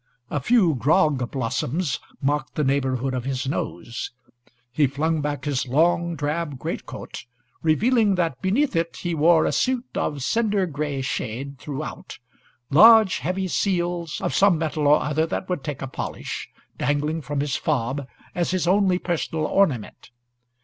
A few grog blossoms marked the neighbourhood of his nose. He flung back his long drab greatcoat, revealing that beneath it he wore a suit of cinder gray shade throughout, large, heavy seals, of some metal or other that would take a polish, dangling from his fob as his only personal ornament.